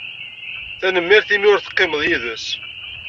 Tanemmirt imu i teqqimeḍ yid-s.